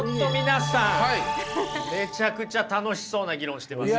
めちゃくちゃ楽しそうな議論してますね。